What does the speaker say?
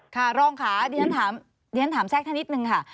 ค่ะร่องขาดีต้อนถามแทรกแท่นิดนึงค่ะ